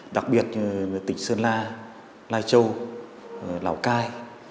đặc biệt tỉnh sơn la lai châu lào cai